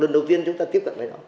nên chúng ta tiếp cận với nó